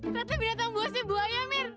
ternyata binatang buah si buahnya mir